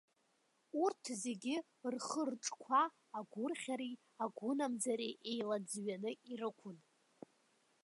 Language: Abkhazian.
Урҭ зегьы рхы-рҿқәа агәырӷьареи агәынамӡареи еилаӡҩаны ирықәын.